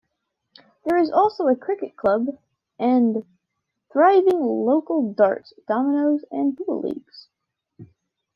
There is also a cricket club and thriving local darts, dominos and pool leagues.